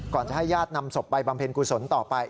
ก่อนจะให้ญาตินำศพไปบามเผ็ญคูศนต่อไป